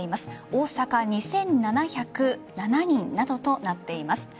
大阪２７０７人などとなっています。